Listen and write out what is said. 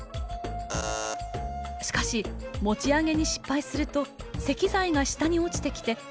しかし持ち上げに失敗すると石材が下に落ちてきて非常に危険。